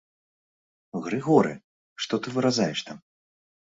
Грыгоры, што ты выразаеш там?